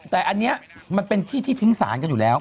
แต่อันนี้มันเป็นที่ที่ทิ้งสารกันอยู่แล้ว